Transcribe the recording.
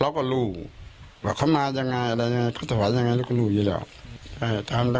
เราก็รู้ว่าเข้ามาอย่างไรอะไรอย่างไรเขาถวายอย่างไรแล้วก็รู้อยู่แล้ว